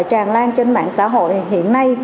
tràn lan trên mạng xã hội hiện nay